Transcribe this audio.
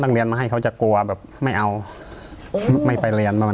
เรียนมาให้เขาจะกลัวแบบไม่เอาไม่ไปเรียนประมาณ